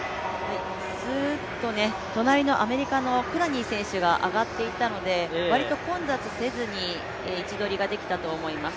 すーっと隣のアメリカのクラニー選手が上がっていったのでわりと混雑せずに、位置取りができたと思います。